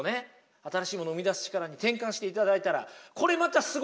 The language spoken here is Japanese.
新しいもの生み出す力に転換していただいたらそうっすね。